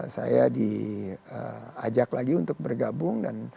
saya diajak lagi untuk bergabung